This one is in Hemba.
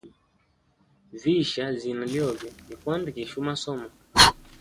Visha zina lyobe ni kuandikishe umasomo.